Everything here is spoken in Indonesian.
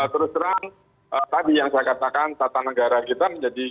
terus terang tadi yang saya katakan tata negara kita menjadi